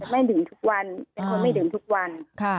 ไม่ดื่มทุกวันเป็นคนไม่ดื่มทุกวัน